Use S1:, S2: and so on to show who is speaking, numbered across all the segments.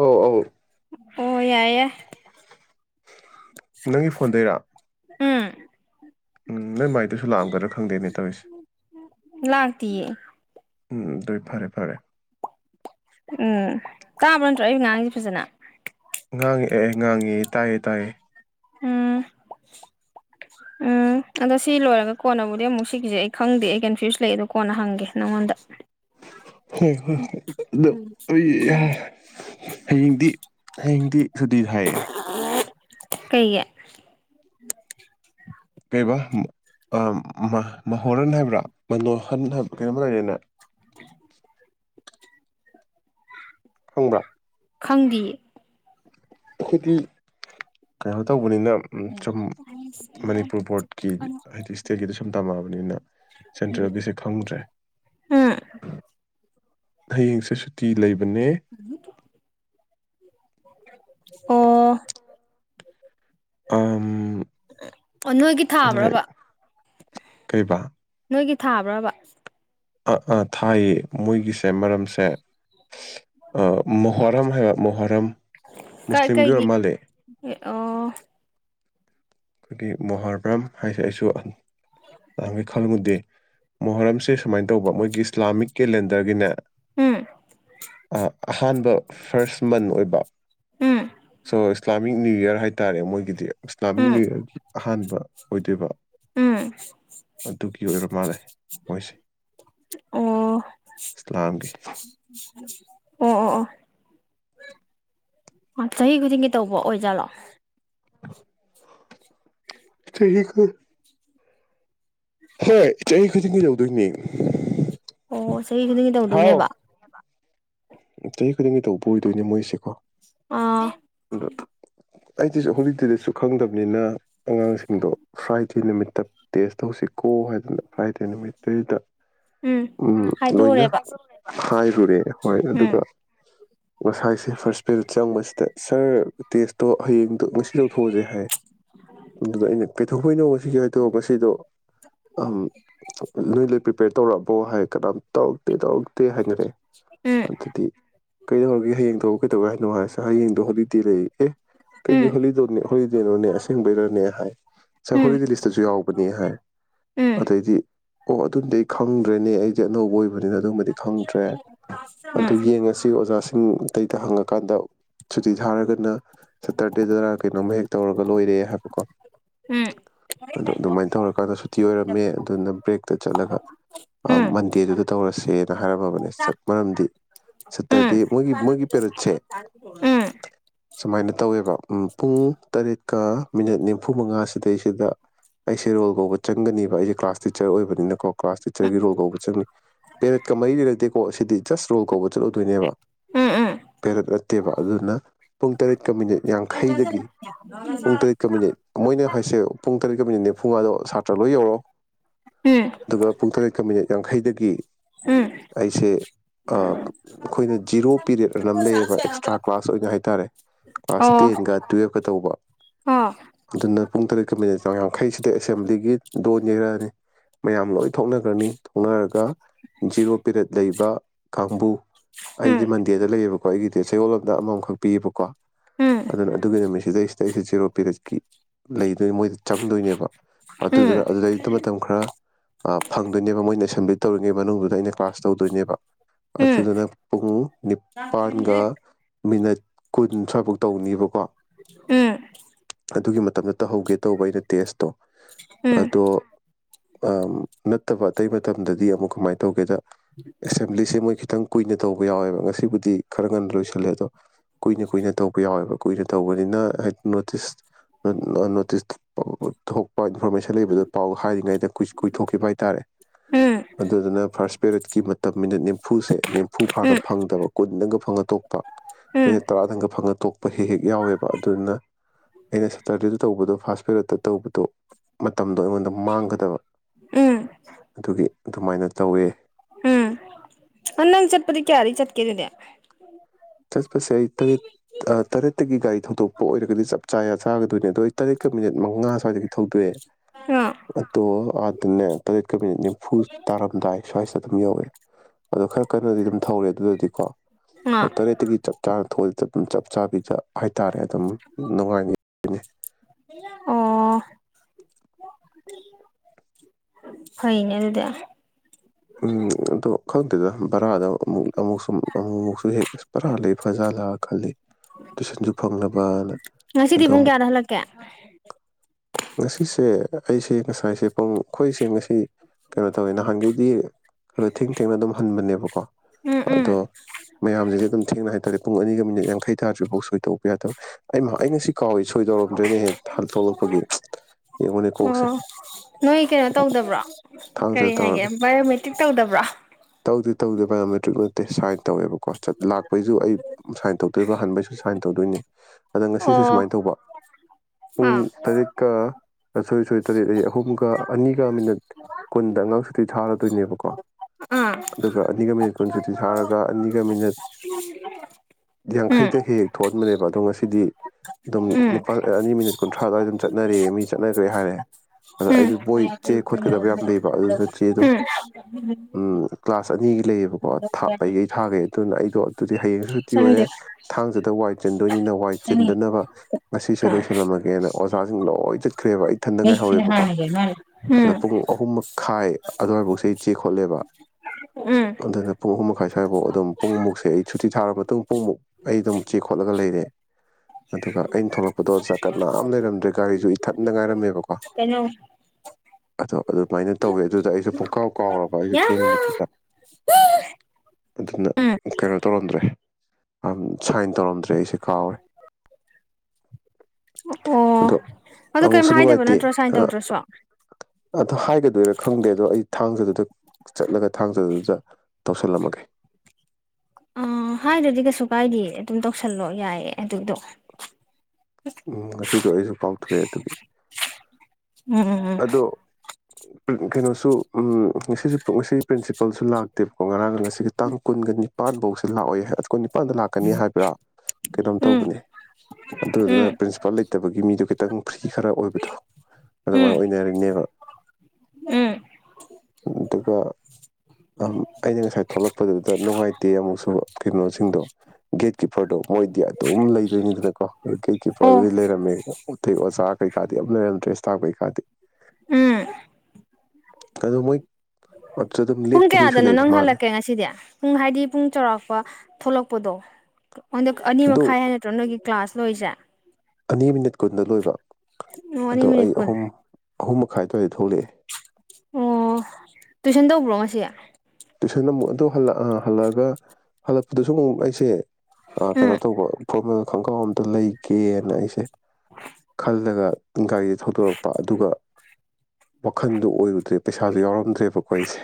S1: ꯑꯥꯎ ꯑꯧ
S2: ꯑꯣ ꯌꯥꯏ ꯌꯥꯏ
S1: ꯅꯪꯒꯤ ꯐꯣꯟꯗꯩꯔꯥ
S2: ꯎꯝ
S1: ꯎꯝ ꯅꯣꯏ ꯃꯥꯏꯗꯨꯁꯨ ꯂꯥꯛꯑꯝꯒꯗ꯭ꯔꯥ ꯈꯪꯗꯦꯅꯦ ꯇꯧꯔꯤꯁꯦ
S2: ꯂꯥꯛꯇꯤꯌꯦ
S1: ꯎꯝ ꯑꯗꯨꯏ ꯐꯔꯦ ꯐꯔꯦ
S2: ꯎꯝ ꯇꯥꯕ꯭ꯔꯣ ꯅꯠꯇ꯭ꯔꯣ ꯑꯩ ꯉꯡꯉꯤꯁꯦ ꯐꯖꯅ
S1: ꯉꯥꯡꯉꯛꯑꯦ ꯉꯥꯡꯉꯦ ꯇꯥꯏꯌꯦ ꯇꯥꯏꯌꯦ
S2: ꯎꯝ ꯎꯝ ꯑꯗꯣ ꯁꯤ ꯂꯣꯏꯔꯒ ꯀꯣꯟꯅꯕꯨꯗꯤ ꯑꯃꯨꯛ ꯁꯤꯒꯤꯁꯦ ꯑꯩ ꯈꯪꯗꯦ ꯑꯩ ꯀꯟꯐ꯭ꯌꯨꯁ ꯂꯩ ꯑꯗꯣ ꯀꯣꯟꯅ ꯍꯪꯒꯦ ꯅꯪꯉꯣꯟꯗ
S1: ꯍꯣꯏ ꯍꯣꯏ ꯍ [unintelligible] ꯍꯌꯦꯡꯗꯤ ꯍꯌꯦꯡꯗꯤ ꯁꯨꯇꯤ ꯍꯥꯏꯌꯦ
S2: ꯀꯩꯒꯤ
S1: ꯀꯩꯕ ꯑ ꯃ ꯃꯍꯣꯔꯟ ꯍꯥꯏꯕ꯭ꯔꯥ ꯃꯅꯣꯍꯟ ꯍꯥꯏꯕ ꯀꯩꯅꯣ ꯂꯩꯔꯦꯅ ꯈꯪꯕ꯭ꯔꯥ
S2: ꯈꯪꯗꯦꯌꯦ
S1: ꯑꯩꯈꯣꯏꯗꯤ ꯀꯩꯅꯣ ꯇꯧꯕꯅꯤꯅ ꯁꯨꯝ ꯃꯅꯤꯄꯨꯔ ꯕꯣꯔꯠꯀꯤ ꯍꯥꯏꯗꯤ ꯏꯁꯇꯦꯠꯀꯤꯗ ꯁꯨꯝ ꯇꯥꯛꯂꯛꯑꯕꯅꯤꯅ ꯁꯦꯟꯇ꯭ꯔꯦꯜꯒꯤꯁꯦ ꯈꯪꯗ꯭ꯔꯦ
S2: ꯎꯝ
S1: ꯍꯌꯦꯡꯁꯦ ꯁꯨꯇꯤ ꯂꯩꯕꯅꯦ
S2: ꯑꯣ
S1: ꯑꯥꯝ
S2: ꯑꯣ ꯅꯣꯏꯒꯤ ꯊꯥꯕ꯭ꯔꯕꯥ
S1: ꯀꯩꯕꯥ
S2: ꯅꯣꯏꯒꯤ ꯊꯥꯕ꯭ꯔꯕꯥ
S1: ꯑꯥ ꯑꯥ ꯊꯥꯏꯌꯦ ꯃꯣꯏꯒꯤꯁꯦ ꯃꯔꯝꯁꯦ ꯑ ꯃꯣꯍꯣꯠ ꯔꯝ ꯍꯥꯏꯕ ꯃꯣꯍꯣꯔꯝ
S2: ꯀꯥꯏ
S1: ꯃꯨꯁꯂꯤꯝꯒꯤ ꯑꯣꯏꯔ
S2: ꯀꯩꯒꯤ
S1: ꯃꯥꯜꯂꯦ
S2: ꯑꯣ
S1: ꯑꯈꯣꯏꯒꯤ ꯃꯣꯍꯥꯕ꯭ꯔꯝ ꯍꯥꯏꯁꯦ ꯑꯩꯁꯨ ꯅꯍꯥꯟꯒꯩ ꯈꯪꯜꯂꯨꯗꯦ ꯃꯣꯍꯣꯔꯝꯁꯦ ꯁꯨꯃꯥꯏꯅ ꯇꯧꯕ ꯃꯣꯏꯒꯤ ꯁ꯭ꯂꯥꯃꯤꯛ ꯀꯦꯂꯦꯟꯗ꯭ꯔꯒꯤꯅꯦ
S2: ꯎꯝ
S1: ꯑꯥ ꯑꯍꯥꯟꯕ ꯐꯥꯔꯁ ꯃꯟ ꯑꯣꯏꯕ
S2: ꯎꯝ
S1: ꯐꯥꯔꯁ ꯁ꯭ꯂꯥꯃꯤꯛ ꯅ꯭ꯌꯨꯔ ꯍꯥꯏꯇꯥꯔꯦ ꯃꯣꯏꯒꯤꯗꯤ ꯁ꯭ꯂꯥꯝ
S2: ꯎꯝ
S1: ꯒꯤ ꯑꯍꯥꯟꯕ ꯑꯣꯏꯗꯣꯏꯕ
S2: ꯎꯝ
S1: ꯑꯗꯨꯒꯤ ꯑꯣꯏꯔ ꯃꯥꯜꯂꯦ ꯃꯣꯏꯁꯦ
S2: ꯑꯣ
S1: ꯁ꯭ꯂꯥꯝꯒꯤ
S2: ꯑꯣ ꯑꯣ ꯑꯣ ꯆꯍꯤ ꯈꯨꯗꯤꯡꯒꯤ ꯇꯧꯕ ꯑꯣꯏꯖꯥꯠꯂꯣ
S1: ꯆꯍꯤ ꯈꯨ ꯍꯦ ꯆꯍꯤ ꯈꯨꯗꯤꯡꯒꯤ ꯇꯧꯗꯣꯏꯅꯦ
S2: ꯑꯣ ꯆꯍꯤ ꯈꯨꯗꯤꯡꯒꯤ
S1: ꯍꯥꯎ
S2: ꯇꯧꯗꯣꯏꯅꯦꯕ
S1: ꯆꯍꯤ ꯈꯨꯗꯤꯡꯒꯤ ꯇꯧꯕ ꯑꯣꯏꯗꯣꯏꯅꯦ ꯃꯣꯏꯁꯦ ꯀꯣ
S2: ꯑꯥ
S1: ꯑꯩꯗꯤ ꯑꯁ ꯍꯣꯂꯤꯗꯦ ꯂꯤꯁꯁꯨ ꯈꯪꯗꯕꯅꯤꯅ ꯑꯉꯥꯡꯁꯤꯡꯗꯣ ꯐ꯭ꯔꯥꯏꯗꯦ ꯅꯨꯃꯤꯠꯇ ꯇꯦꯁ ꯇꯧꯁꯤ ꯀꯣ ꯍꯥꯏꯗꯅ ꯐ꯭ꯔꯥꯏꯗꯦ ꯅꯨꯃꯤꯠꯇꯩꯗ ꯎꯝ ꯂꯣꯏꯅ
S2: ꯍꯥꯏꯗꯣꯛꯎꯔꯦꯕ
S1: ꯍꯥꯏꯔꯨꯔꯦ ꯍꯣꯏ
S2: ꯎꯝ
S1: ꯑꯗꯨꯒ ꯉꯁꯥꯏꯁꯦ ꯐꯥꯔꯁ ꯄꯦꯔꯠ ꯆꯪꯕꯁꯤꯗ ꯁꯥꯔ ꯇꯦꯁꯇꯣ ꯍꯌꯦꯡ ꯇꯣ ꯉꯁꯤ ꯂꯧꯊꯣꯛꯑꯁꯦ ꯍꯥꯏ ꯑꯗꯨꯗ ꯑꯩꯅ ꯀꯩꯗꯧꯕꯩꯅꯣ ꯁꯤꯖꯦ ꯇꯧꯕꯩꯁꯤꯗꯣ ꯑꯝ ꯅꯣꯏ ꯂꯣꯏ ꯄꯤꯞ ꯄ꯭ꯔꯤꯄꯤꯌꯔ ꯇꯧꯔꯛꯑꯕꯣ ꯍꯥꯏ ꯀꯅꯥꯝꯇ ꯇꯧꯔꯛꯇꯦ ꯇꯧꯔꯛꯇꯦ ꯍꯥꯏꯅꯔꯦ
S2: ꯎꯝ
S1: ꯑꯗꯨꯗꯤ ꯀꯩꯗꯧꯔꯒꯦ ꯍꯌꯦꯡ ꯇꯧꯕ ꯀꯩꯗꯧꯒꯦ ꯍꯥꯏꯅꯣ ꯍꯥꯏ ꯁꯥꯔ ꯍꯌꯦꯡꯗꯣ ꯍꯣꯂꯤꯗꯦ ꯂꯩꯌꯦ ꯑꯦ
S2: ꯎꯝ
S1: ꯀꯩꯒꯤ ꯍꯣꯂꯤꯗꯣꯅꯦ ꯍꯣꯂꯤꯗꯦꯅꯣꯅꯦ ꯑꯁꯦꯡꯕꯩꯔꯅꯦ ꯍꯥꯏ ꯁꯥꯔ
S2: ꯎꯝ
S1: ꯍꯣꯂꯤꯗꯦ ꯂꯤꯁꯇꯁꯨ ꯌꯥꯎꯕꯅꯤ ꯍꯥꯏ
S2: ꯎꯝ ꯎꯝ ꯎꯝ ꯎꯝ ꯎꯝ
S1: ꯑꯗꯩꯗꯤ ꯑꯣ ꯑꯗꯨꯝꯗꯤ ꯑꯩ ꯈꯪꯗ꯭ꯔꯦꯅꯦ ꯑꯩꯖꯦ ꯑꯅꯧꯕ ꯑꯣꯏꯕ ꯕꯅꯤꯅ ꯑꯗꯨꯃꯗꯤ ꯈꯪꯗ꯭ꯔꯦ ꯑꯗꯨ ꯌꯦꯡꯉꯁꯤ ꯑꯣꯖꯥꯁꯤꯡ ꯑꯇꯩꯗ ꯍꯪꯉꯀꯥꯟꯗ ꯁꯨꯇꯤ ꯊꯥꯔꯒꯅ ꯁꯇ꯭ꯔꯗꯦꯗ ꯀꯩꯅꯣꯃ ꯍꯦꯛ ꯇꯧꯔꯒ ꯂꯣꯏꯔꯦ ꯍꯥꯏꯕꯀꯣ ꯑꯗꯨ ꯑꯗꯨꯃꯥꯏꯅ ꯇꯧꯔꯀꯥꯟꯗ ꯁꯨꯇꯤ ꯑꯣꯏꯔꯝꯃꯦ ꯑꯗꯨꯅ ꯕ꯭ꯔꯦꯛꯇ ꯆꯠꯂꯒ ꯑ ꯥꯃꯟꯗꯦꯗꯨꯗ ꯇꯧꯔꯁꯦꯅ ꯍꯥꯏꯔꯝꯃꯕꯅꯦ ꯁꯠ ꯃꯔꯝꯗꯤ ꯁꯇ꯭ꯔꯗꯦ ꯃꯣꯏ ꯃꯣꯏꯒꯤ ꯄꯦꯔꯠꯁꯦ ꯁꯨꯃꯥꯏꯅ ꯇꯧꯋꯦꯕ ꯎꯝ ꯄꯨꯡ ꯇꯔꯦꯠꯀ ꯃꯤꯅꯠ ꯅꯤꯐꯨ ꯃꯉꯥ ꯁꯤꯗꯩꯁꯤꯗ ꯑꯩꯁꯦ ꯔꯣꯜ ꯀꯧꯕ ꯆꯪꯒꯅꯤꯕ ꯑꯩꯁꯦ ꯀ꯭ꯂꯥꯁ ꯇꯤꯆꯔ ꯑꯣꯏꯕꯅꯤꯅꯀꯣ ꯀ꯭ꯂꯥꯁ ꯇꯤꯆꯔꯒꯤ ꯔꯣꯜ ꯀꯧꯕ ꯆꯪꯅꯤ ꯄꯦꯔꯠꯀ ꯃꯔꯤ ꯂꯩꯅꯗꯦꯀꯣ ꯁꯤꯗꯤ ꯖꯁ ꯔꯣꯜ ꯀꯧꯕ ꯆꯠꯂꯨꯗꯣꯏꯅꯦꯕ
S2: ꯎꯝ ꯎꯝ
S1: ꯄꯦꯔꯠ ꯅꯠꯇꯦꯕ ꯑꯗꯨꯅ ꯄꯨꯡ ꯇꯔꯦꯠꯀ ꯃꯤꯅꯤꯠ ꯌꯥꯡꯈꯩꯗꯒꯤ ꯄꯨꯡ ꯇꯔꯦꯠꯀ ꯃꯤꯅꯤꯠ ꯃꯣꯏꯅ ꯍꯥꯏꯁꯦ ꯄꯨꯡ ꯄꯨꯡ ꯇꯔꯦꯠꯀ ꯃꯤꯅꯤꯠ ꯅꯤꯐꯨꯉꯥꯗꯣ ꯁꯥꯇ꯭ꯔ ꯂꯣꯏ ꯌꯧꯔꯛꯑꯣ
S2: ꯎꯝ
S1: ꯑꯗꯨꯒ ꯄꯨꯡ ꯇꯔꯦꯠꯀ ꯃꯤꯅꯤꯠ ꯌꯥꯡꯈꯩꯗꯒꯤ ꯒꯤ
S2: ꯎꯝ
S1: ꯑꯩꯁꯦ ꯑ ꯥ ꯑꯈꯣꯏꯅ ꯖꯤꯔꯣ ꯄꯤꯔꯠ ꯑꯃ ꯂꯩꯌꯦꯕ ꯑꯦꯛꯁ ꯑꯦꯛꯁꯇ꯭ꯔꯥ ꯀ꯭ꯂꯥꯁ ꯑꯣꯏꯅ ꯍꯥꯏꯇꯔꯦ ꯀ꯭ꯂꯥꯁ
S2: ꯑꯣ
S1: ꯇꯦꯟꯒ ꯇꯨꯋꯦꯜꯞꯀ ꯇꯧꯕ
S2: ꯑꯣ
S1: ꯑꯗꯨꯅ ꯄꯨꯡ ꯇꯔꯦꯠꯀ ꯃꯤꯅꯤꯠ ꯌꯥꯡꯈꯩꯁꯤꯗ ꯑꯦꯁꯦꯝꯕ꯭ꯂꯤꯒꯤ ꯗꯣꯟ ꯌꯩꯔꯛꯑꯅꯤ ꯃꯌꯥꯝ ꯂꯣꯏ ꯊꯣꯛꯅꯈ꯭ꯔꯅꯤ ꯊꯣꯛꯅꯔꯒ ꯖꯤꯔꯣ ꯄꯦꯔꯠ ꯂꯩꯕ ꯀꯥꯡꯕꯨ
S2: ꯎꯝ ꯎꯝ
S1: ꯑꯩꯗꯤ ꯃꯟꯗꯦꯗ ꯂꯩꯌꯦꯕꯀꯣ ꯑꯩꯒꯤꯗꯤ ꯆꯌꯣꯜ ꯑꯃꯗ ꯑꯃꯃꯝꯈꯛ ꯄꯤꯌꯦꯕꯀꯣ
S2: ꯎꯝ ꯎꯝ
S1: ꯑꯗꯨꯅ ꯑꯗꯨꯒꯤ ꯅꯨꯃꯤꯠꯁꯤꯗꯩꯁꯤꯗꯩ ꯑꯩꯁꯤ ꯖꯦꯔꯣ ꯄꯦꯔꯠꯀꯤ ꯂꯩꯗꯣꯏ ꯃꯣꯏꯗ ꯆꯪꯗꯣꯏꯅꯦꯕ
S2: ꯎꯝ ꯎꯝ ꯎꯝ
S1: ꯑꯗꯨꯗꯨꯅ ꯑꯗꯨꯗꯩ ꯃꯇꯝ ꯈꯥꯔ ꯑꯥ ꯐꯪꯗꯣꯏꯅꯦꯕ ꯃꯣꯏꯅ ꯑꯦꯁꯦꯝꯕꯂꯤ ꯇꯧꯔꯤꯉꯩ ꯃꯅꯨꯡꯗꯨꯗ ꯑꯩꯅ ꯀ꯭ꯂꯥꯁ ꯇꯧꯗꯣꯏꯅꯦꯕ ꯑꯗꯨꯗꯨꯅ ꯄꯨꯡ ꯅꯤꯄꯥꯥꯟꯒ ꯃꯤꯅꯠ ꯀꯨꯟ ꯁ꯭ꯋꯥꯏꯐꯧ ꯇꯧꯅꯦꯕꯀꯣ
S2: ꯎꯝ
S1: ꯑꯗꯨꯒꯤ ꯃꯇꯝꯗ ꯇꯧꯍꯧꯒꯦ ꯇꯧꯕ ꯑꯩꯅ ꯇꯦꯁꯇꯣ ꯑꯗꯣ ꯑꯥ ꯅꯠꯇꯕ ꯑꯇꯩ ꯃꯇꯝꯗꯗꯤ ꯑꯃꯨꯛ ꯀꯃꯥꯏꯅ ꯇꯧꯒꯦꯗ ꯑꯦꯁꯦꯝꯕ꯭ꯂꯤꯁꯦ ꯃꯣꯏ ꯈꯤꯇꯪ ꯀꯨꯏꯅ ꯇꯧꯕ ꯌꯥꯎꯋꯦꯕ ꯉꯁꯤꯕꯨꯗꯤ ꯈꯥꯔ ꯉꯟꯅ ꯂꯣꯏꯁꯤꯜꯂꯦ ꯑꯗꯣ ꯀꯨꯏꯅ ꯀꯨꯏꯅ ꯇꯧꯕ ꯌꯥꯎꯋꯦꯕ ꯀꯨꯏꯅ ꯇꯧꯕꯅꯤꯅ ꯍꯥꯏ ꯅꯣꯇꯤꯁ ꯅꯣꯇꯤꯁ ꯊꯣꯛ ꯄꯥꯎ ꯏꯟꯐꯣꯔꯃꯦꯁꯟ ꯂꯩꯕꯗꯣ ꯄꯥꯎ ꯍꯥꯏꯔꯤꯉꯩꯗꯨ ꯀꯨꯏꯊꯣꯛꯈꯤꯕ ꯍꯥꯏꯇꯥꯔꯦ ꯑꯗꯨꯗꯨꯅ ꯐꯥꯔꯁ ꯄꯦꯔꯤꯠ ꯤ ꯃꯇꯝꯅꯤꯅ ꯅꯦꯝꯝꯐꯨꯁꯦ ꯅꯦꯝꯝꯐꯨ ꯐꯥꯅ ꯐꯪꯗꯕ ꯀꯨꯟꯗꯒ ꯐꯉ
S2: ꯎꯝ ꯎꯝ
S1: ꯃꯤꯅꯤꯠ ꯇꯔꯥꯗꯪꯒ ꯐꯪꯉ ꯇꯣꯛꯄ ꯍꯦꯛ ꯍꯦꯛ ꯌꯥꯎꯋꯦꯕ ꯑꯗꯨꯗꯨꯅ ꯑꯩꯅ ꯁꯇꯔꯗꯦꯗ ꯇꯧꯕꯗꯣ ꯐꯥꯔꯁ ꯐꯦꯔꯠꯇ ꯇꯧꯕꯗꯣ ꯃꯇꯝꯗꯣ ꯑꯩꯉꯣꯟꯗ ꯃꯥꯡꯒꯗꯕ ꯑꯗꯨꯒꯤ ꯑꯗꯨꯃꯥꯏꯅ ꯇꯧꯋꯦ
S2: ꯎꯝ ꯑꯅꯪ ꯆꯠꯄꯗꯤ ꯀꯌꯥꯗꯒꯤ ꯆꯠ ꯀꯦꯗꯨꯗꯤ
S1: ꯆꯠꯄꯁꯦ ꯑꯩ ꯇꯔꯦꯠ ꯇꯔꯦꯠꯇꯒꯤ ꯒꯥꯔꯤ ꯊꯧꯗꯣꯛꯄ ꯑꯣꯏꯔꯒꯗꯤ ꯆꯞ ꯆꯥ ꯌꯥ ꯆꯥꯒꯗꯣꯏꯅꯦ ꯑꯗꯣ ꯑꯩ ꯇꯔꯦꯠꯀ ꯃꯤꯅꯤꯠ ꯃꯉꯥ ꯁ꯭ꯋꯥꯏꯗꯒꯤ ꯊꯧꯇꯣꯏꯅꯦ ꯑꯗꯣ ꯇꯔꯦꯠꯀ ꯃꯤꯅꯠ ꯅꯤꯐꯨ ꯇꯔꯝꯗꯥ ꯁ ꯑꯗꯨꯝ ꯌꯧꯋꯦ ꯑꯗꯣ ꯈꯔ ꯀꯟꯅꯗꯤ ꯑꯗꯨꯝ ꯊꯧꯔꯦ ꯑꯗꯨꯗꯗꯤꯀꯣ
S2: ꯑ
S1: ꯇꯔꯦꯠꯇꯒꯤ ꯆꯞ ꯆꯥꯅ ꯊꯣꯛꯏꯗ ꯑꯗꯨꯝ ꯆꯞ ꯆꯥꯕꯤꯗ ꯍꯥꯏꯇꯥꯔꯦ ꯑꯗꯨꯝ ꯅꯨꯡꯉꯥꯏꯅꯤꯅꯤ
S2: ꯑꯣ ꯐꯩꯅꯦ ꯑꯗꯨꯗꯤ
S1: ꯎꯝ ꯑꯗꯨ ꯈꯪꯗꯦꯗ ꯚꯥꯔꯥ ꯑꯃꯨꯛ ꯑꯃꯨꯛꯁꯨꯝ ꯑꯃꯨ ꯃꯨꯛꯁꯨ ꯍꯦꯛ ꯚꯔꯥ ꯂꯩ ꯐꯖꯥꯜꯂ ꯈꯜꯂꯤ ꯇꯨꯏꯁꯟꯁꯨ ꯐꯪꯅꯕꯅ
S2: ꯉꯁꯤꯗꯤ
S1: ꯑꯗꯑꯣ
S2: ꯄꯨꯡ
S1: ꯑꯃꯨꯛ
S2: ꯀꯌꯥꯗ ꯍꯜꯂꯛꯀꯦ
S1: ꯉꯁꯤꯁꯦ ꯑꯩꯁꯦ ꯉꯁꯥꯏꯁꯦ ꯄꯨꯡ ꯑꯩꯈꯣꯏꯁꯦ ꯉꯁꯤ ꯀꯩꯅꯣ ꯇꯧꯋꯦ ꯅꯍꯥꯟꯒꯩꯗꯤ ꯈ ꯊꯦꯡ ꯊꯦꯡꯅ ꯑꯗꯨꯝ ꯍꯟꯕꯅꯦꯕꯀꯣ
S2: ꯎꯝ ꯎꯝ
S1: ꯑꯗꯣ ꯃꯌꯥꯝꯁꯤꯡꯁꯦ ꯑꯗꯨꯝ ꯊꯦꯡꯅ ꯍꯥꯏꯇꯥꯔꯦ ꯗ ꯄꯨꯡ ꯑꯅꯤꯒ ꯃꯤꯅꯤꯠ ꯌꯥꯡꯈꯩ ꯊꯥꯗ꯭ꯔꯤꯐꯥꯎ ꯁꯣꯏꯇꯧꯕ ꯌꯥꯗꯕ ꯑꯩꯃꯥ ꯑꯩ ꯉꯁꯤ ꯀꯥꯎꯏ ꯁꯣꯏꯗꯧꯔꯝꯗ꯭ꯔꯦꯅꯦ ꯍꯦ ꯊꯣꯛꯂꯛꯄꯒꯤ ꯌꯦꯡꯉꯨꯅꯦ ꯀꯣꯛꯁꯦ
S2: ꯑꯣ ꯅꯣꯏ ꯀꯩꯅꯣ ꯇꯧꯗꯕ꯭ꯔꯣ ꯀꯔꯤ
S1: ꯊꯥꯡꯖꯗ
S2: ꯍꯥꯏꯒꯦ
S1: ꯇꯧꯔꯒꯦ
S2: ꯕꯥꯏꯑꯣꯃꯦꯇ꯭ꯔꯤꯛ ꯇꯧꯗꯕ꯭ꯔꯥ
S1: ꯑꯗꯨ ꯇꯧꯗꯦ ꯏꯑꯣꯃꯦꯇ꯭ꯔꯤꯛ ꯅꯠꯇꯦ ꯁꯥꯏꯟ ꯇꯧꯋꯦꯕꯀꯣ ꯆꯠ ꯂꯥꯛꯄꯩꯁꯨ ꯑꯩ ꯁꯥꯏꯟ ꯇꯧꯗꯣꯏꯕ ꯍꯥꯟꯕꯕꯩꯁꯨ ꯁꯥꯏꯟ ꯇꯧꯗꯣꯏꯅꯦ ꯑꯗ ꯉꯁꯤꯁꯨ
S2: ꯑꯣ
S1: ꯁꯨꯃꯥꯏꯅ ꯇꯧꯕ ꯄꯨꯡ
S2: ꯑꯥ
S1: ꯇꯔꯦꯛꯀ ꯑꯁꯣꯏ ꯑꯁꯣꯏ ꯇꯔꯦꯠ ꯑ ꯑꯍꯨꯝꯒ ꯑꯅꯤꯒ ꯃꯤꯅꯠ ꯀꯨꯟꯗ ꯑꯉꯥꯡ ꯁꯨꯇꯤ ꯊꯥꯔꯗꯣꯏꯅꯦꯕꯀꯣ
S2: ꯑꯥ
S1: ꯑꯗꯨꯒ ꯑꯅꯤꯒ ꯃꯤꯅꯤꯠ ꯀꯨꯟ ꯁꯨꯇꯤ ꯊꯥꯔꯒ ꯑꯅꯤꯒ ꯃꯤꯅꯤꯠ
S2: ꯎꯝ
S1: ꯌꯥꯡꯈꯩꯗ ꯍꯦꯛ ꯍꯦꯛ ꯊꯣꯛꯍꯟꯕꯅꯦꯕ ꯑꯗꯣ ꯉꯁꯤꯗꯤ ꯑꯗꯨꯝ
S2: ꯎꯝ
S1: ꯅꯤꯄꯥꯜ ꯑꯅꯤ ꯃꯤꯅꯤꯠ ꯀꯨꯟꯊ꯭ꯔꯥ ꯑꯗꯨꯋꯥꯏ ꯑꯗꯨꯝ ꯆꯠꯅꯔꯤꯌꯦ ꯃꯤ ꯆꯠꯅꯈ꯭ꯔꯦ ꯍꯥꯏꯔꯦ ꯑꯗ
S2: ꯎꯝ
S1: ꯑꯩꯗ ꯕꯣꯏ ꯆꯦ ꯈꯣꯠꯀꯗꯕ ꯌꯥꯝ ꯂꯩꯕ ꯑꯗꯨꯅ ꯆꯦꯗꯣ
S2: ꯎꯝ
S1: ꯎꯝ ꯀ꯭ꯂꯥꯁ ꯑꯅꯤꯒꯤ ꯂꯩꯌꯦꯕꯀꯣ ꯑꯩꯩꯈꯩ ꯊꯥꯒꯩ ꯑꯗꯨꯅ ꯑꯩꯗꯣ ꯑꯗꯨ ꯍꯌꯦꯡꯁꯨ ꯁꯨꯇꯤ ꯑꯣꯏꯔꯦ
S2: ꯆꯪꯗꯦ
S1: ꯊꯥꯡꯖꯗ ꯋꯥꯏ ꯇꯣꯏꯅꯤꯅ ꯋꯥꯏ ꯆꯤꯟꯗꯅꯕ ꯉꯁꯤꯁꯨ
S2: ꯀꯥꯔ
S1: ꯂꯣꯏꯁꯤꯜꯂꯝꯃꯒꯦꯅ ꯑꯣꯖꯥꯁꯤꯡ ꯂꯣꯏ ꯈ꯭ꯔꯦꯕ ꯑꯩ ꯊꯟꯗꯉꯥꯏ ꯍꯧꯔꯦꯕꯀꯣ ꯑꯗꯣ
S2: ꯎꯝ
S1: ꯄꯨꯡ ꯑꯍꯨꯝ ꯃꯈꯥꯏ ꯑꯗꯨꯋꯥꯏꯐꯧꯁꯦ ꯑꯩ ꯆꯦ ꯈꯣꯠꯂꯦꯕ
S2: ꯎꯝ
S1: ꯑꯗꯨꯅ ꯄꯨꯡ ꯑꯍꯨꯝ ꯃꯈꯥꯏ ꯁ꯭ꯋꯥꯏꯐꯥꯎ ꯑꯗꯨꯝ ꯄꯨꯡꯃꯨꯛꯁꯦ ꯑꯩ ꯁꯨꯇꯤ ꯊꯥꯔ ꯃꯇꯨꯡ ꯄꯨꯡꯃꯨꯛ ꯑꯩ ꯑꯗꯨꯝ ꯆꯦ ꯈꯣꯠꯂꯒ ꯂꯩꯔꯦ ꯑꯗꯨꯒ ꯑꯩꯅ ꯊꯣꯛꯂꯛ ꯈꯨꯗꯣꯜ ꯑꯣꯖꯥ ꯀꯅꯥꯝ ꯂꯩꯔꯝꯗ꯭ꯔꯦ ꯒꯥꯔꯤꯁꯨ ꯏꯊꯟꯗ ꯉꯥꯏꯔꯝꯃꯦꯕꯀꯣ ꯑꯗꯣ ꯑꯗꯨꯃꯥꯏꯅ ꯇꯧꯋꯦ ꯑꯗꯨꯗ ꯑꯩꯁꯨ ꯄꯨꯡꯀꯥꯎ ꯀꯥꯎꯔꯕ ꯑꯩꯁꯨ
S2: ꯌꯥ
S1: ꯊꯦꯡꯕꯗꯨꯗ ꯑꯗꯨꯅ
S2: ꯎꯝ
S1: ꯀꯩꯅꯣ ꯇꯧꯔꯝꯗ꯭ꯔꯦ ꯑꯝ ꯁꯥꯏꯟ ꯇꯧꯔꯝꯗ꯭ꯔꯦ ꯑꯩꯁꯦ ꯀꯥꯎꯔꯦ
S2: ꯑꯣ
S1: ꯑꯗꯣ
S2: ꯑꯗꯨ
S1: ꯑꯃꯨꯛꯁꯨ
S2: ꯀꯩꯝ ꯍꯥꯏꯗꯕ
S1: ꯅꯨꯡꯉꯥꯏꯇꯦ
S2: ꯅꯠꯇ꯭ꯔꯣ ꯁꯥꯏꯟ ꯇꯧꯗ꯭ꯔꯁꯨ
S1: ꯑꯗꯣ ꯍꯥꯏꯒꯗꯣꯏꯔꯥ ꯈꯪꯗꯦ ꯑꯗꯣ ꯑꯩ ꯊꯥꯡꯖꯥꯗꯨꯗ ꯆꯠꯂꯒ ꯊꯥꯡꯖꯥꯗꯨꯗ ꯇꯧꯁꯜꯂꯝꯃꯒꯦ
S2: ꯎꯝ ꯍꯥꯏꯗ꯭ꯔꯗꯤ ꯀꯩꯁꯨ ꯀꯥꯏꯗꯤꯌꯦ ꯑꯗꯨꯝ ꯇꯧꯁꯜꯂꯣ ꯌꯥꯏꯌꯦ ꯑꯗꯨꯗꯣ
S1: ꯎꯝ ꯉꯁꯤꯗꯣ ꯑꯩꯁꯨ ꯀꯥꯎꯊꯣꯛꯑꯦ ꯑꯗꯨꯒꯤ
S2: ꯎꯝ ꯎꯝ
S1: ꯑꯗꯣ ꯀ ꯀꯩꯅꯣꯁꯨ ꯎꯝ ꯉꯁꯤꯖꯨ ꯄꯨ ꯉꯁꯤ ꯄ꯭ꯔꯤꯟꯁꯤꯄꯜꯁꯨ ꯂꯥꯛꯇꯦꯕꯀꯣ ꯉꯔꯥꯡꯒꯁꯤ ꯁꯤ ꯇꯥꯡ ꯀꯨꯟꯒ ꯅꯤꯄꯥꯟꯐꯧꯁꯦ ꯂꯥꯛꯑꯣꯢ ꯍꯥꯢꯕ ꯀꯨꯟ ꯅꯤꯄꯥꯟꯗ ꯂꯥꯛꯀꯅꯤ ꯍꯥꯏꯕ꯭ꯔꯥ ꯀꯩꯅꯣꯝ
S2: ꯎꯝ
S1: ꯇꯧꯕꯅꯦ ꯑꯗꯨꯗꯨꯅ
S2: ꯎꯝ
S1: ꯄ꯭ꯔꯤꯟꯁꯤꯄꯥꯜ ꯂꯩꯇꯕꯒꯤ ꯃꯤꯗꯣ ꯈꯤꯇꯪ ꯐ꯭ꯔꯤ ꯈꯔ ꯑꯣꯏꯕꯗꯣ
S2: ꯎꯝ
S1: ꯑꯗꯨꯃꯥꯏꯅ ꯑꯣꯏꯅꯔꯤꯅꯦꯕ
S2: ꯎꯝ
S1: ꯑꯗꯨꯒ ꯑꯝ ꯑꯩꯅ ꯉꯁꯥꯏ ꯊꯣꯛꯂꯛꯄꯗꯨꯗ ꯅꯨꯡꯉꯥꯏꯇꯦ ꯑꯃꯨꯛꯁꯨ ꯀꯩꯅꯣꯁꯤꯡꯗꯣ ꯒꯦꯠꯀꯤꯄꯔꯗꯣ ꯃꯣꯏꯗꯤ ꯑꯗꯨꯝ ꯂꯩꯗꯣꯏꯅꯤꯗꯅꯀꯣ
S2: ꯑꯣ
S1: ꯀꯤꯞꯄꯔꯗꯨꯗꯤ ꯂꯩꯔꯝꯃꯦ ꯎꯇꯦꯛ ꯑꯣꯖꯥ ꯀꯩꯀꯥꯗꯤ ꯑꯝ ꯂꯩꯔꯝꯗ꯭ꯔꯦ ꯁ꯭ꯇꯥꯐ ꯀꯩꯀꯥꯗꯤ
S2: ꯎꯝ
S1: ꯑꯗꯨ ꯃꯣꯏ ꯑꯗꯨꯗ ꯑꯗꯨꯝ
S2: ꯄꯨꯡ
S1: ꯂꯦꯛꯄ ꯃꯤꯁꯨ
S2: ꯀꯌꯥꯗꯅꯣ
S1: ꯂꯩꯕ
S2: ꯅꯪ
S1: ꯃꯥꯜꯂꯦ
S2: ꯍꯜꯂꯛꯀꯦ ꯉꯁꯤꯗꯤ ꯄꯨꯡ ꯍꯥꯏꯗꯤ ꯄꯨꯡ ꯆꯧꯔꯥꯛꯄ ꯊꯣꯛꯂꯛ ꯄꯗꯣ ꯑꯣꯟꯗꯛ ꯑꯅꯤ
S1: ꯑꯗꯣ
S2: ꯃꯈꯥꯏ ꯍꯥꯏ ꯅꯠꯇ꯭ꯔꯣ ꯅꯣꯏꯒꯤ ꯀ꯭ꯂꯥꯁ ꯂꯣꯏꯁꯦ
S1: ꯑꯅꯤ ꯃꯤꯅꯤꯠ ꯀꯨꯟꯗ ꯂꯣꯏꯕ
S2: ꯑꯣ ꯑꯅꯤ
S1: ꯑꯗꯣ
S2: ꯃꯤꯅꯤꯠ
S1: ꯑꯩ
S2: ꯀꯨꯟ
S1: ꯑꯍꯨꯝ ꯑꯍꯨꯝ ꯃꯈꯥꯏ ꯗ꯭ꯋꯥꯏꯗ ꯊꯣꯛꯂꯛꯑꯦ
S2: ꯑꯣ ꯇꯨꯏꯁꯟ ꯇꯧꯕ꯭ꯔꯣ ꯉꯁꯤ
S1: ꯇꯨꯏꯁꯟ ꯑꯃꯨꯛ ꯑꯗꯨ ꯍꯜꯂ ꯑꯥ ꯍꯜꯂꯛꯑꯒ ꯍꯜꯂꯛꯄꯗꯁꯨ ꯑꯃꯨꯛ ꯑꯩꯁꯦ ꯑꯥ ꯀꯩꯅꯣ
S2: ꯎꯝ
S1: ꯇꯧꯕ ꯐꯣꯔꯃꯦꯜ ꯈꯣꯡꯒ꯭ꯔꯥꯎ ꯑꯝꯇ ꯂꯩꯒꯦꯅ ꯑꯩꯁꯦ ꯈꯜꯂꯒ ꯒꯥꯔꯤ ꯊꯧꯗꯣꯔꯛꯄ ꯑꯗꯨꯒ ꯋꯥꯈꯟꯗ ꯑꯣꯏꯔꯨꯗ꯭ꯔꯦ ꯄꯩꯁꯥꯁꯨ ꯌꯥꯎꯔꯝꯗ꯭ꯔꯦꯕꯀꯣ ꯑꯩꯁꯦ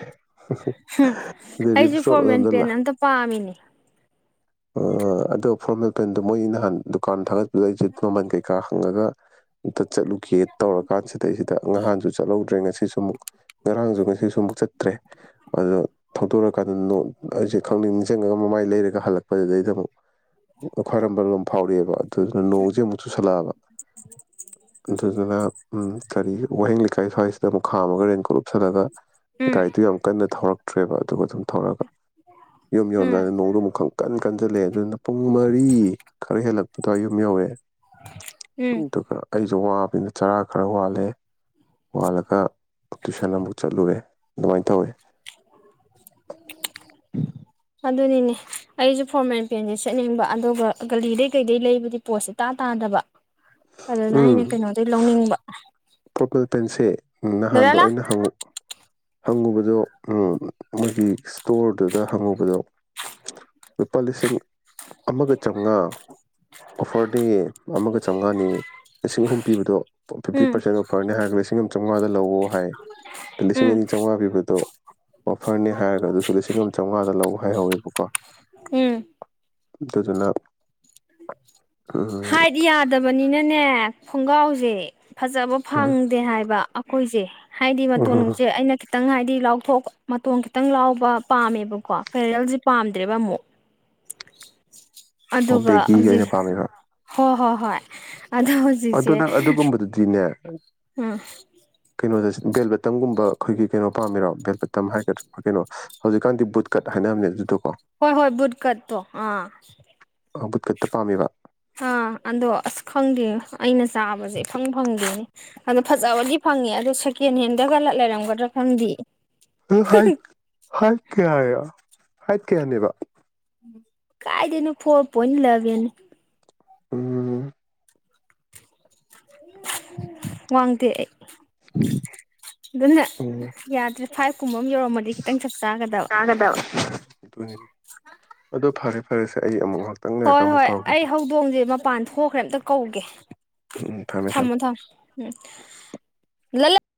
S1: ꯍꯝꯍꯝ
S2: ꯎꯝ
S1: ꯗ
S2: ꯑꯩꯁꯨ
S1: ꯔꯤꯝꯁ ꯔꯣꯠ
S2: ꯐꯣꯔꯃꯦꯜ
S1: ꯑꯗꯣꯝꯗ ꯂ
S2: ꯄꯦꯟ ꯑꯝꯇ ꯄꯥꯝꯃꯤꯅꯦ
S1: ꯑꯥ ꯑꯗꯣ ꯐꯣꯔꯃꯦꯜ ꯄꯦꯟꯗꯣ ꯃꯣꯏ ꯅꯍꯥꯟ ꯗꯨꯀꯥꯟ ꯊꯥꯒꯠꯄꯗꯨꯗ ꯑꯩꯁꯦ ꯃꯃꯟ ꯀꯩꯀꯥ ꯍꯪꯉꯒ ꯑꯝꯇ ꯆꯠꯂꯨꯒꯦ ꯇꯧꯔꯀꯥꯟꯁꯤꯗꯩꯁꯤꯗ ꯅꯍꯥꯟꯁꯨ ꯆꯠꯍꯧꯗ꯭ꯔꯦ ꯉꯁꯤꯁꯨ ꯑꯃꯨꯛ ꯉꯔꯥꯡꯁꯨ ꯉꯁꯤꯁꯨ ꯑꯃꯨꯛ ꯆꯠꯇ꯭ꯔꯦ ꯑꯗꯣ ꯊꯧꯗꯣꯔꯀꯥꯟꯗ ꯅꯣ ꯑꯩꯁꯦ ꯈꯪꯅꯤꯡ ꯅꯤꯡꯁꯤꯡꯉꯒ ꯃꯃꯥꯏ ꯂꯩꯔꯛꯄ ꯍꯜꯂꯛꯄꯗꯨꯗꯩꯗ ꯑꯃꯨꯛ ꯈ꯭ꯋꯥꯢꯔꯝꯕꯟ ꯂꯣꯝ ꯐꯥꯎꯔꯛꯑꯦꯕ ꯑꯗꯨꯗꯨꯅ ꯅꯣꯡꯁꯦ ꯑꯃꯨꯛ ꯆꯨꯁꯜꯂꯛꯑꯕ ꯑꯗꯨꯗꯨꯅ ꯎꯝ ꯀꯔꯤ ꯋꯥꯍꯦꯡ ꯂꯩꯀꯥꯏ ꯁ꯭ꯋꯥꯏꯁꯤꯗ ꯑꯃꯨꯛ ꯈꯥꯥꯝꯃꯒ ꯔꯦꯟꯀꯣꯠ ꯎꯞꯁꯜꯂꯒ
S2: ꯎꯝ
S1: ꯒꯥꯔꯤꯗꯨ ꯌꯥꯝ ꯀꯟꯅ ꯊꯧꯔꯛꯇ꯭ꯔꯦꯕ ꯑꯗꯨꯒ ꯑꯗꯨꯝ ꯊꯧꯔꯒ ꯌꯨꯝ
S2: ꯎꯝ
S1: ꯌꯧꯔꯝꯗꯥꯏꯗ ꯅꯣꯡꯗꯣ ꯑꯃꯨꯛ ꯈꯪ ꯀꯟ ꯀꯟꯁꯤꯜꯂꯛꯑꯦ ꯑꯗꯨꯅ ꯄꯨꯡ ꯃꯔꯤ ꯈꯔ ꯍꯦꯜꯂꯛ ꯑꯗ꯭ꯋꯥꯢ ꯌꯨꯝ ꯌꯧꯑꯦ
S2: ꯎꯝ
S1: ꯑꯗꯨꯒ ꯑꯩꯁꯨ ꯋꯥꯕꯅꯤꯅ ꯆꯔꯥ ꯈꯔ ꯋꯥꯜꯂꯦ ꯋꯥꯜꯂꯒ ꯇꯨꯏꯁꯟ ꯑꯃꯨꯛ ꯆꯠꯂꯨꯔꯦ ꯑꯗꯨꯃꯥꯏꯟ ꯇꯧꯋꯦ
S2: [inaudible]
S1: [inaudible]
S2: ꯑꯗꯨꯅꯤꯅꯦ ꯑꯩꯁꯨ ꯐꯣꯔꯃꯦꯜ ꯄꯦꯟꯁꯦ ꯁꯦꯠꯅꯤꯡꯕ ꯑꯗꯨꯒ ꯒꯂꯤꯗꯩ ꯀꯩꯗꯩ ꯂꯩꯕꯗꯤ ꯄꯣꯁ ꯢꯇꯥ ꯇꯥ ꯗꯕ ꯑꯗꯨꯅ ꯑꯩꯅ ꯀꯩꯅꯣꯗꯩ ꯂꯧꯅꯤꯡꯕ
S1: ꯐꯣꯔꯃꯦꯜ ꯄꯦꯟꯁꯦ
S2: ꯗꯗꯥ
S1: ꯅꯍꯥꯟꯗꯣ
S2: ꯂꯥꯎ
S1: ꯑꯩꯅ ꯍꯪꯉ ꯍꯪꯉꯨꯕꯗꯣ ꯎꯝ ꯃꯥꯒꯤ ꯁ꯭ꯇꯣꯔꯗꯨꯗ ꯍꯪꯉꯨꯕꯗꯣ
S2: [inaudible]
S1: ꯂꯨꯄꯥ ꯂꯤꯁꯤꯡ ꯑꯃꯒ ꯆꯥꯝꯃꯉꯥ ꯑꯣꯐꯔꯗꯤ ꯑꯃꯒ ꯆꯥꯝꯃꯉꯥꯅꯤ ꯂꯤꯁꯤꯡ ꯑꯍꯨꯝ ꯄꯤꯕꯗꯣ ꯐꯤꯞꯇꯤ
S2: ꯎꯝ
S1: ꯐꯔꯅꯦ ꯍꯥꯏꯔꯒ ꯂꯤꯁꯤꯡ ꯑꯃ ꯆꯥꯝꯉꯥꯗ ꯂꯧꯋꯣ ꯍꯥꯏ ꯂꯤꯁꯤꯡ
S2: ꯎꯝ
S1: ꯑꯅꯤ ꯆꯥꯝꯃꯉꯥ ꯄꯤꯕꯗꯣ ꯑꯣꯐꯔꯅꯦ ꯍꯥꯏꯔꯒ ꯑꯗꯨꯁꯨ ꯂꯤꯁꯤꯡ ꯑꯃ ꯆꯥꯃꯉꯥꯗ ꯂ ꯍꯥꯏꯍꯧꯋꯦꯕꯀꯣ
S2: ꯎꯝ
S1: ꯑꯗꯨꯗꯨꯅ ꯎꯝ
S2: ꯍꯥꯏꯠ ꯌꯥꯗꯕꯅꯤꯅꯅꯦ ꯈꯣꯡꯒ꯭ꯔꯥꯎꯁꯦ ꯐꯖꯕ ꯐꯪꯗꯦ ꯍꯥꯏꯕ ꯑꯩꯈꯣꯏꯁꯦ ꯍꯥꯏꯗꯤ ꯃꯇꯣꯟꯁꯦ ꯑꯩꯅ ꯈꯤꯇꯪ ꯍꯥꯏꯗꯤ ꯂꯥꯎꯊꯣꯛ ꯃꯇꯣꯟ ꯈꯤꯇꯪ ꯂꯥꯎꯕ ꯄꯥꯝꯃꯦꯕꯀꯣ ꯐꯦꯔꯦꯜꯁꯦ ꯄꯥꯝꯗ꯭ꯔꯦꯕ ꯑꯃꯨꯛ
S1: [inaudible]
S2: ꯑꯗꯨꯒ
S1: ꯕꯦꯒꯤꯒꯤ ꯑꯣꯏꯅ
S2: ꯍꯧꯖꯤꯛ
S1: ꯄꯥꯝꯃꯤꯕ
S2: ꯍꯣꯏ ꯍꯣꯏ ꯍꯣꯏ ꯑꯗꯣ
S1: ꯑꯗꯨ
S2: ꯍꯧꯖꯤꯛꯁꯦ
S1: ꯅꯪ ꯑꯗꯨꯒꯨꯝꯕꯗꯨꯗꯤꯅꯦ
S2: ꯎꯝ
S1: ꯀꯩꯅꯣꯗ ꯕꯦꯜꯕꯇꯟꯒꯨꯝꯕ ꯑꯩꯈꯣꯏꯒꯤ ꯀꯩꯅꯣ ꯄꯥꯝꯃꯤꯔꯣ ꯕꯦꯜꯕꯇꯝ ꯍꯥꯏꯒꯗ꯭ꯔꯥ ꯀꯩꯅꯣ ꯍꯧꯖꯤꯛꯀꯥꯟꯗꯤ ꯕꯨꯠ ꯀꯠ ꯍꯥꯏꯅꯕꯅꯦ ꯑꯗꯨꯗꯀꯣ
S2: ꯍꯣꯏ ꯍꯣꯏ ꯕꯨꯠꯀꯠꯇ ꯑꯥ
S1: ꯕꯨꯠꯀꯠꯇ ꯄꯥꯝꯃꯤꯕ
S2: ꯑꯥ ꯑꯗꯣ ꯑꯁ ꯈꯪꯗꯦ ꯑꯩꯅ ꯆꯥꯕꯁꯦ ꯏꯐꯪ ꯐꯪꯗꯦꯅꯦ ꯑꯗꯣ ꯐꯖꯕꯗꯤ ꯐꯪ ꯐꯪꯉꯦ ꯑꯗ ꯁꯦꯀꯦꯟ ꯍꯦꯟꯗꯒꯂ ꯂꯩꯔꯝꯒꯗ꯭ꯔꯥ ꯈꯪꯗꯤ
S1: ꯍꯥꯏ ꯍꯥꯏꯠ ꯀꯌꯥ ꯍꯥꯏꯠ ꯀꯌꯥꯅꯦꯕ
S2: ꯀꯥꯏꯗꯅ ꯐꯣꯔꯣꯔ ꯄꯣꯏꯟ ꯏꯂꯕꯦꯟ
S1: ꯎꯝ
S2: ꯋꯥꯡꯗꯦ ꯑꯩ ꯑꯗꯨꯅ
S1: ꯎꯝ
S2: ꯌꯥꯗ꯭ꯔꯦ ꯐꯥꯏꯚ ꯀꯨꯝꯕ ꯑꯃ ꯌꯧꯔꯝꯃꯗꯤ ꯈꯤꯇꯪ ꯆꯥꯞ ꯆꯥꯒꯗꯕ
S1: ꯑꯗꯣ ꯐꯔꯦ ꯐꯔꯦꯁꯦ ꯑꯩ ꯑꯃꯨꯛ ꯍꯥꯎ
S2: ꯍꯣꯏ ꯍꯣꯏ ꯑꯩ ꯍꯧꯗꯣꯡꯁꯦ ꯃꯄꯥꯟ ꯊꯣꯛꯈ꯭ꯔꯦ ꯑꯝꯇ ꯀꯧꯒꯦ
S1: ꯎꯝ ꯎꯝ ꯊꯝꯃꯦ ꯊꯝꯃꯦ
S2: ꯊꯝꯃꯣ ꯊꯝꯃꯣ ꯂ